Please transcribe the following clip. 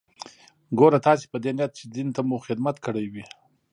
ګوره تاسې په دې نيت چې دين ته مو خدمت کړى وي.